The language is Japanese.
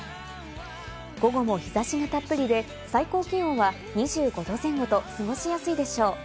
午後も日差しがたっぷりで、最高気温は２５度前後と過ごしやすいでしょう。